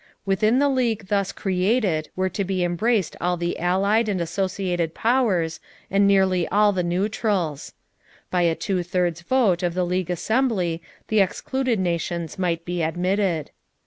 Within the League thus created were to be embraced all the Allied and Associated Powers and nearly all the neutrals. By a two thirds vote of the League Assembly the excluded nations might be admitted.